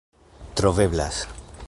troveblas